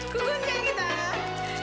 sehingga obat pereda sakit